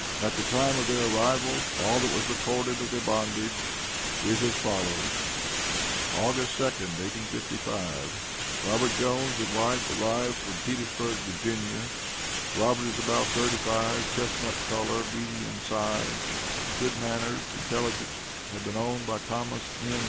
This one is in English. At the time of their arrival all that was recorded of their bondage is as follows August 2d, 1855, Robert Jones and wife, arrived from Petersburg, Va. Robert is about thirty five, chestnut color, medium size, of good manners, intelligent, had been owned by Thomas N.